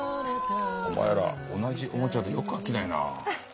お前ら同じおもちゃでよく飽きないな。